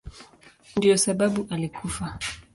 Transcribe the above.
Ndiyo sababu alikufa.